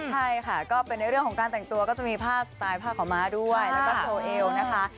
ใช่ค่ะก็เป็นในเรื่องของการแต่งตัวก็จะมีผ้าสไตล์ผ้าขาวม้าด้วยแล้วก็โซเอลนะคะ